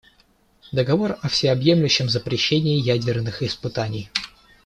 Договор о всеобъемлющем запрещении ядерных испытаний.